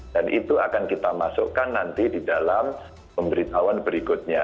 dan itu akan kita masukkan nanti di dalam pemberitahuan berikutnya